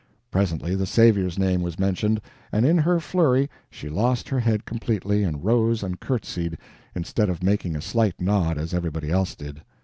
Presently the Savior's name was mentioned, and in her flurry she lost her head completely, and rose and courtesied, instead of making a slight nod as everybody else did.